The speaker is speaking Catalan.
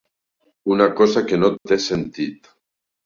Una cosa que no té sentit.